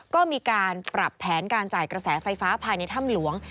ก็มีการปรับแผนการจ่ายกระแสไฟฟ้าภายในถ้ำหลวง